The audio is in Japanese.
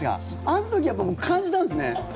あの時やっぱり感じたんですね。